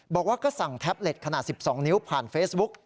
บอกว่าก็สั่งแท็บเล็ตขนาด๑๒นิ้วผ่านเฟซบุ๊ก